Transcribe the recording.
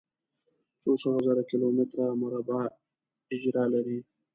څو سوه زره کلومتره مربع اېجره لري.